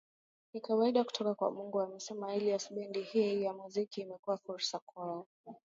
ni zawadi kutoka kwa Mungu anasema Elias Bendi hii ya muziki imekua fursa kwao